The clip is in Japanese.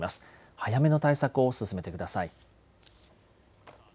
早めの対策を進めてください。